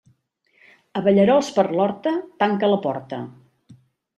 Abellerols per l'horta, tanca la porta.